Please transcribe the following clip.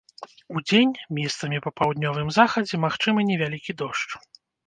Удзень месцамі па паўднёвым захадзе магчымы невялікі дождж.